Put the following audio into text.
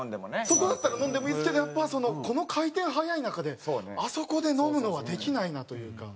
そこだったら飲んでもいいんですけどやっぱこの回転早い中であそこで飲むのはできないなというか。